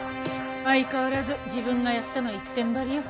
相変わらず「自分がやった」の一点張りよ。